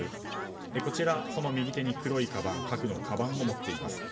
こちら、右手に黒いかばん核のかばんを持っています。